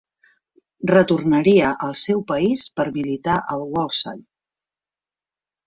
Retornaria al seu país per militar al Walsall.